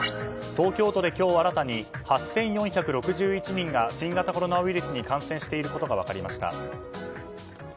東京都で今日新たに８４６１人が新型コロナウイルスに感染していることが分かりました。